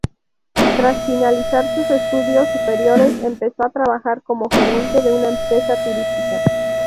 Tras finalizar sus estudios superiores, empezó a trabajar como gerente de una empresa turística.